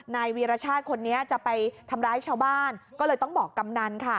นายวีรชาติคนนี้จะไปทำร้ายชาวบ้านก็เลยต้องบอกกำนันค่ะ